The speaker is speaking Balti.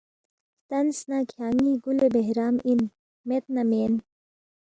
ہلتنس نہ کھیانگ ن٘ی گُلِ بہرام اِن، مید نہ مین